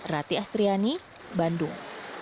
rati astriani bandung